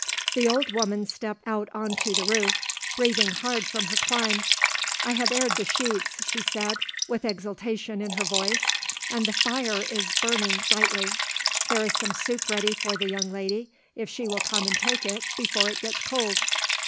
The old woman stepped out on to the roof, breathing hard from her climb. "I have aired the sheets," she said with exultation in her voice, "and the fire is burning brightly. There is some soup ready for the young lady, if she will come and take it, before it gets cold."